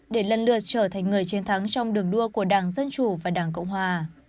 để lần lượt trở thành người chiến thắng trong đường đua của đảng dân chủ và đảng cộng hòa